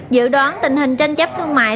dự đoán tình hình tranh chấp thương mại